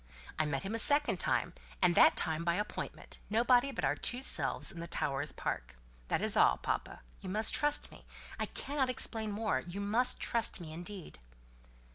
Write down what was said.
I met him a second time and that time by appointment nobody but our two selves, in the Towers' Park. That is all, papa. You must trust me. I cannot explain more. You must trust me indeed."